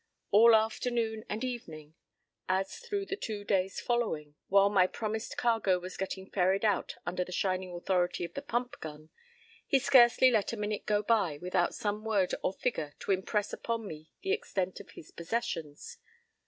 All afternoon and evening, as through the two days following, while my promised cargo was getting ferried out under the shining authority of the pump gun, he scarcely let a minute go by without some word or figure to impress upon me the extent of his "possessions."